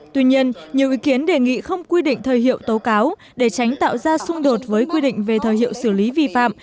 tuy nhiên nhiều ý kiến đề nghị không quy định thời hiệu tố cáo để tránh tạo ra xung đột với quy định về thời hiệu xử lý vi phạm